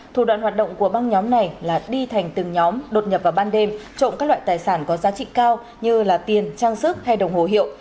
thủ đoạn hoạt động của băng nhóm này là đi thành từng nhóm đột nhập vào ban đêm trộm các loại tài sản có giá trị cao như tiền trang sức hay đồng hồ hiệu